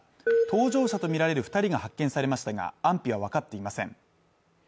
搭乗者とみられる２人が発見されましたが安否は分かっていません。